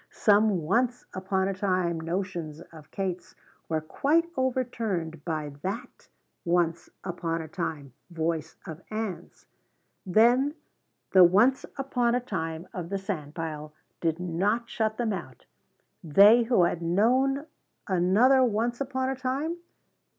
Some once upon a time notions of Kate's were quite overturned by that "once upon a time" voice of Ann's. Then the once upon a time of the sandpile did not shut them out they who had known another once upon a time?